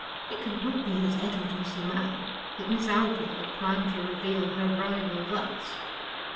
It could not be that Edward was the man! that Miss Aldclyffe had planned to reveal her rival thus!